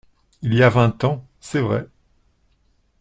Il y a vingt ans, c’est vrai !…